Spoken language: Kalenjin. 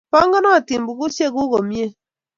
Pingonotin bukusyek kuk komnyee.